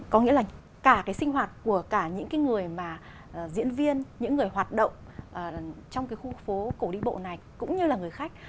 có nghĩa là cả cái sinh hoạt của cả những cái người mà diễn viên những người hoạt động trong cái khu phố cổ đi bộ này cũng như là người khách